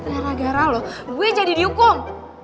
gara gara lo gue jadi dihukum